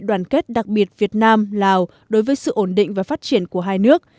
đoàn kết đặc biệt việt nam lào đối với sự ổn định và phát triển của hai nước